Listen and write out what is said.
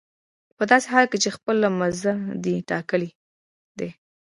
په داسې حال کې چې خپل مزد دې ټاکلی دی